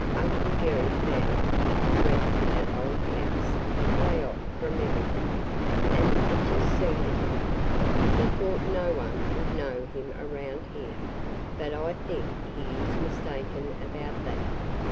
Uncle Jerry found he could rent that old house, 'way off from everything, and it just suited him. He thought no one would know him around here, but I think he is mistaken about that.